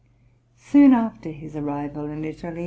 Soon after his arrival in Italy L.